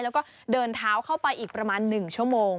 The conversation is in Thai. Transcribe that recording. แล้วก็เดินเท้าเข้าไปอีกประมาณ๑ชั่วโมง